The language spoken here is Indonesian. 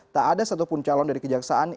tak ada satupun calon dari kejaksaan